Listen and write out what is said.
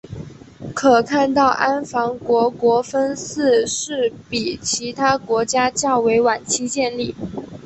可看到安房国国分寺是比其他国家较为晚期建立。